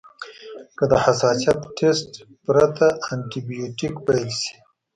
که د حساسیت ټسټ پرته انټي بیوټیک پیل شي.